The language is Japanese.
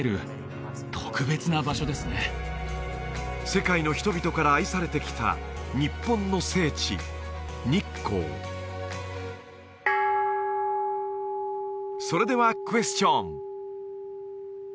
世界の人々から愛されてきた日本の聖地日光それではクエスチョン！